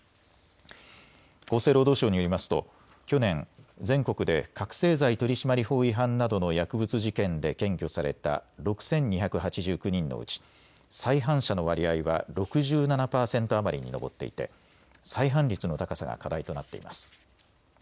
厚生労働省によりますと去年、全国で覚醒剤取締法違反などの薬物事件で検挙された６２８９人のうち再犯者の割合は６７％余りに上っていて再犯率の高さが課題となっています。